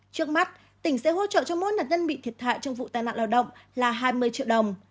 trước mắt tỉnh sẽ hỗ trợ cho mỗi nạn nhân bị thiệt hại trong vụ tai nạn lao động là hai mươi triệu đồng